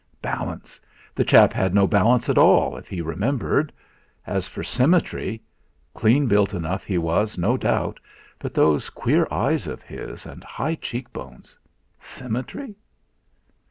Balance! The chap had no balance at all, if he remembered; as for symmetry clean built enough he was, no doubt; but those queer eyes of his, and high cheek bones Symmetry?